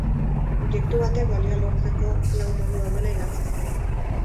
Objektu batek balioa lortzeko lau modu daudela idatzi zuen.